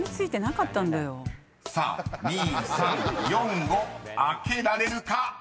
［さあ２・３・４・５開けられるか］